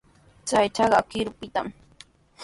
Chay chakaqa qirupitami.